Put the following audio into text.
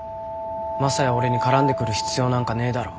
マサや俺に絡んでくる必要なんかねえだろ。